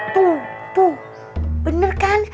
tuh tuh bener kan